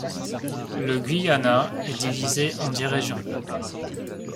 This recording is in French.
Le Guyana est divisé en dix régions.